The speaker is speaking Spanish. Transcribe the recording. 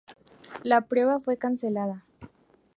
La prueba fue cancelada.